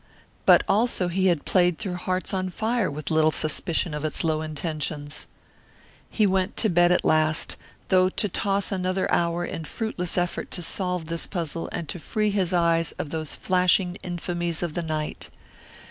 But also he had played through Hearts on Fire with little suspicion of its low intentions. He went to bed at last, though to toss another hour in fruitless effort to solve this puzzle and to free his eyes of those flashing infamies of the night.